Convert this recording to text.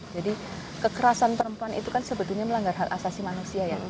jadi kekerasan perempuan itu kan sebetulnya melanggar asasi manusia ya